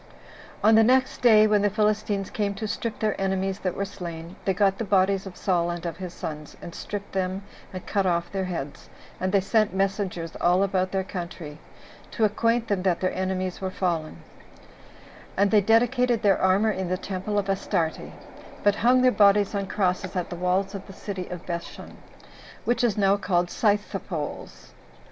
8. On the next day, when the Philistines came to strip their enemies that were slain, they got the bodies of Saul and of his sons, and stripped them, and cut off their heads; and they sent messengers all about their country, to acquaint them that their enemies were fallen; and they dedicated their armor in the temple of Astarte, but hung their bodies on crosses at the walls of the city Bethshun, which is now called Scythepolls.